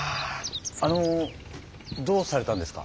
あのどうされたんですか？